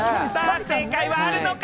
正解はあるのか？